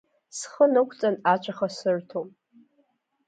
Схы нықәҵан ацәаха сырҭом…